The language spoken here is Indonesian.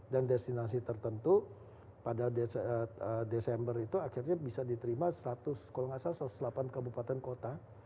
dan destinasi tertentu pada desember itu akhirnya bisa diterima seratus kalau gak salah satu ratus delapan kabupaten kota